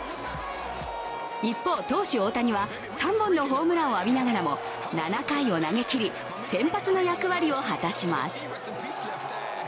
一方、投手・大谷は３本のホームランを浴びながらも７回を投げきり先発の役割を果たします。